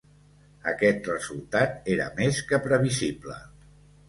Aquest resultat era més que previsible.